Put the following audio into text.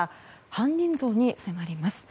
犯人像に迫ります。